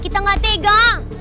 kita gak tegang